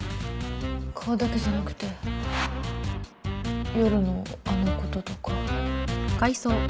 顔だけじゃなくて夜のあのこととか。